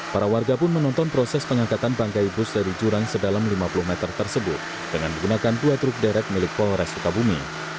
para warga pun menonton proses pengangkatan bangkai bus dari jurang sedalam lima puluh meter tersebut dengan menggunakan dua truk derek milik polres sukabumi